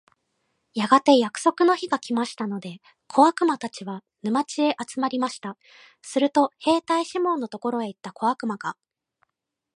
やがて約束の日が来ましたので、小悪魔たちは、沼地へ集まりました。すると兵隊シモンのところへ行った小悪魔が、